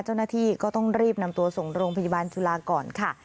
เจ้าหน้าที่ก็ต้องรีบนำตัวส่งโรงพยาบาลจุฬาก่อนค่ะ